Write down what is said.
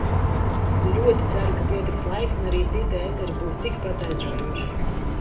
Ļoti ceru, ka pietiks laika un arī citi ēteri būs tik pat aizraujoši!